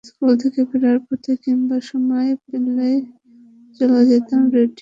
School থেকে ফেরার পথে কিংবা সময় পেলেই চলে যেতাম রেডিও সার্ভিসের দোকানগুলোতে।